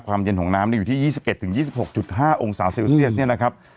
ความเย็นของน้ำได้อยู่ที่ยี่สิบเอ็ดถึงยี่สิบหกจุดห้าองศาเนี้ยนะครับ